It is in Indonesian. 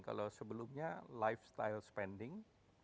kalau sebelumnya lifestyle spending